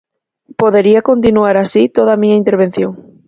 Podería continuar así toda a miña intervención.